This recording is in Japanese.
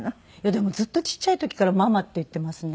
でもずっとちっちゃい時からママって言っていますね。